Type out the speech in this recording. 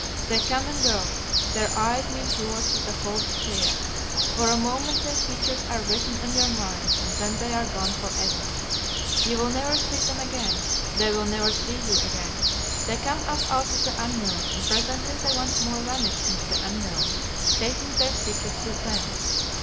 They come and go, their eyes meet yours with a cold stare, for a moment their features are written on your mind, and then they are gone for ever. You will never see them again; they will never see you again; they come up out of the unknown, and presently they once more vanish into the unknown, taking their secrets with them.